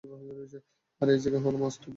আর এই জায়গায়ই হলো মস্ত ভুল।